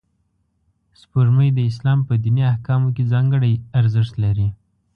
سپوږمۍ د اسلام په دیني احکامو کې ځانګړی ارزښت لري